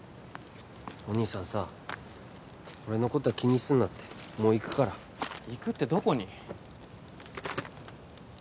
お兄さんさ俺のことは気にすんなってもう行くから行くってどこに？